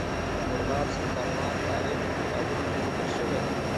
مورغاب سیند د افغان تاریخ په کتابونو کې ذکر شوی دی.